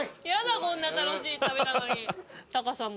こんな楽しい旅なのに。